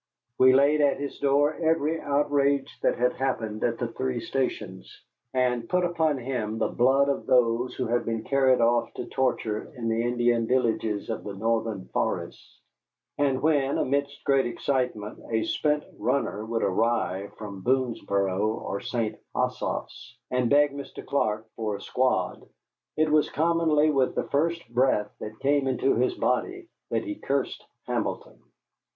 We laid at his door every outrage that had happened at the three stations, and put upon him the blood of those who had been carried off to torture in the Indian villages of the northern forests. And when amidst great excitement a spent runner would arrive from Boonesboro or St. Asaph's and beg Mr. Clark for a squad, it was commonly with the first breath that came into his body that he cursed Hamilton.